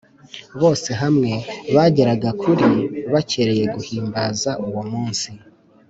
bose hamwe bageraga kuri bakereye guhimbaza uwo munsi.